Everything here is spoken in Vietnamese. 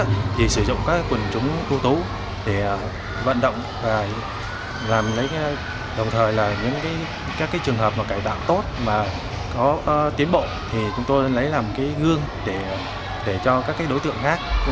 thì sử dụng các quần trúng khu tú để vận động đồng thời các trường hợp cải tạo tốt có tiến bộ thì chúng tôi lấy làm gương để cho các đối tượng khác